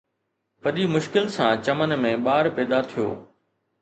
وڏي مشڪل سان چمن ۾ ٻار پيدا ٿيو